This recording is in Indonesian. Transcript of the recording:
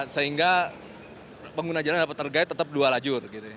sehingga pengguna jalan dapat tergait tetap dua lajur